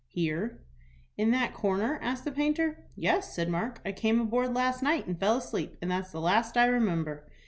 "Here." "In that corner?" asked the painter. "Yes," said Mark; "I came aboard last night, and fell asleep, and that's the last I remember."